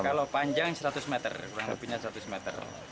kalau panjang seratus meter kurang lebihnya seratus meter